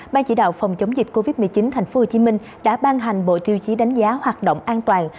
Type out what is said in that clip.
ban chỉ đạo phòng chống dịch covid một mươi chín tp hcm đã ban hành bộ tiêu chí đánh giá hoạt động an toàn